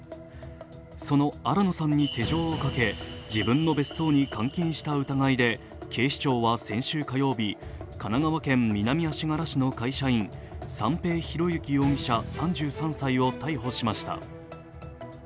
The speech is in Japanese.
その新野さんに手錠をかけ自分の別荘に監禁した疑いで警視庁は先週火曜日、神奈川県南足柄市の会社員三瓶博幸容疑者３３歳を逮捕しました。